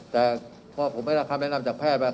แต่ผมไปได้คำแนะนำจากแพทย์ว่า